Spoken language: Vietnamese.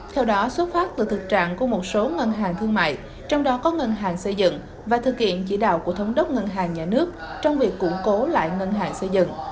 theo đó xuất phát từ thực trạng của một số ngân hàng thương mại trong đó có ngân hàng xây dựng và thực hiện chỉ đạo của thống đốc ngân hàng nhà nước trong việc củng cố lại ngân hàng xây dựng